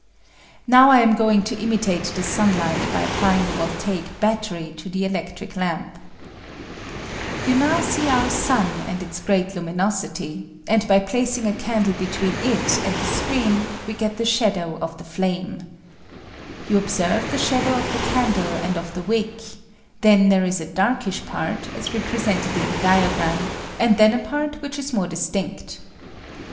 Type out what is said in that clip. I^ow I am going to imitate the sunlight by ap jplying the voltaic battery to the electric lamp. ^^ 8i SHADOW OF FT,AME, ^ Tou DOW sec our sun an 1 'ts great luminosity ; and by \ lac og a candle between it and the t the shadow of the flame. * You observe the shadow of the candle and of the wick; then there is a darkish part, as repre sented in the diagram, and then a part which is more distinct.